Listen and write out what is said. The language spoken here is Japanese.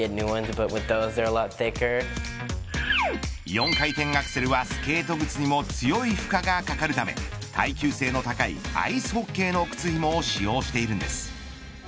４回転アクセルはスケート靴にも強い負荷がかかるため耐久性の高いアイスホッケーの靴ひもを使用しているんです。